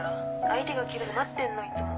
相手が切るの待ってんのいつも。